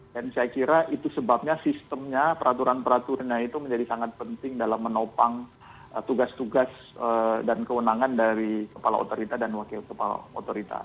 dan saya kira itu sebabnya sistemnya peraturan peraturnya itu menjadi sangat penting dalam menopang tugas tugas dan kewenangan dari kepala otorita dan wakil kepala otorita